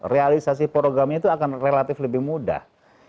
realisasi programnya itu akan relatif lebih mudah